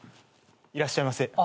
いらっしゃいませ。